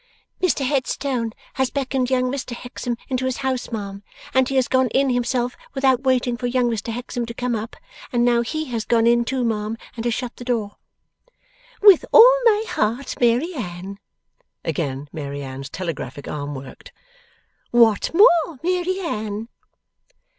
'Mr Headstone has beckoned young Mr Hexam into his house, ma'am, and he has gone in himself without waiting for young Mr Hexam to come up, and now HE has gone in too, ma'am, and has shut the door.' 'With all my heart, Mary Anne.' Again Mary Anne's telegraphic arm worked. 'What more, Mary Anne?